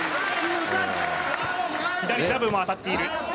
左ジャブも当たっている。